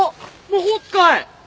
魔法使い！